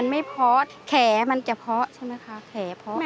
เก่มไปเพาะน่ารักเยอะแขมันจะเพาะไหมคะแขมันจะเพาะไหมคะแขมันจะเพาะไหมคะ